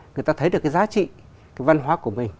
người ta thấy được giá trị văn hóa của mình